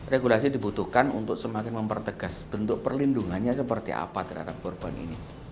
regulasi dibutuhkan untuk semakin mempertegas bentuk perlindungannya seperti apa terhadap korban ini